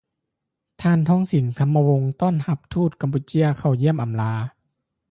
ທ່ານ ທອງສິງ ທຳມະວົງ ຕ້ອນຮັບທູດກຳປູເຈຍ ເຂົ້າຢ້ຽມອຳລາ